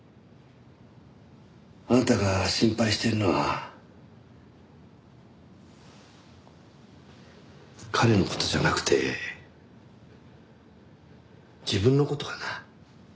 あんたが心配してるのは彼の事じゃなくて自分の事かな？